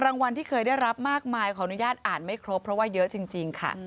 รางวัลที่เคยได้รับมากมายขออนุญาตอ่านไม่ครบเพราะว่าเยอะจริงค่ะ